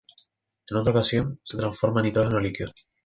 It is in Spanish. En otra ocasión, se transforma en nitrógeno líquido.